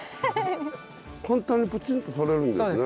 簡単にプチンととれるんですね。